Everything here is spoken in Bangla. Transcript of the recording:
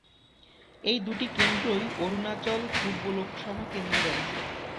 এই দুটি কেন্দ্রই অরুণাচল পূর্ব লোকসভা কেন্দ্রের অংশ।